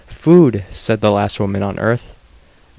"Food!" said the last woman on earth.